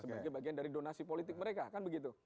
sebagai bagian dari donasi politik mereka kan begitu